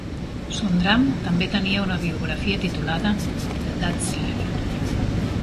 Sundram també tenia una biografia titulada "The Dazzler".